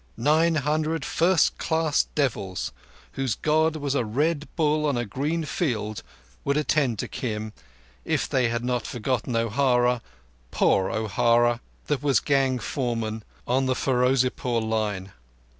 Nine hundred first class devils, whose God was a Red Bull on a green field, would attend to Kim, if they had not forgotten O'Hara—poor O'Hara that was gang foreman on the Ferozepore line.